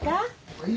はい。